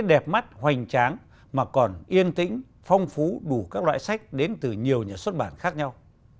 đẹp mắt hoành tráng mà còn yên tĩnh phong phú đủ các loại sách đến từ nhiều nhà xuất bản khác nhau